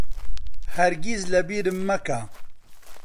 هەرگیز لەبیرم مەکە.